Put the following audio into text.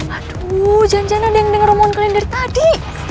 aduh jangan jangan ada yang denger omongan kalian dari tadi